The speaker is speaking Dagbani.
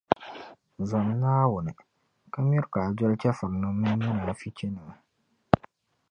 Zom Naawuni, ka miri ka a doli chεfurinim’ mini munaafichinima.